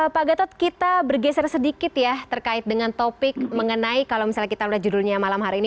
pak gatot kita bergeser sedikit ya terkait dengan topik mengenai kalau misalnya kita lihat judulnya malam hari ini